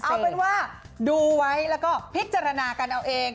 เอาเป็นว่าดูไว้แล้วก็พิจารณากันเอาเอง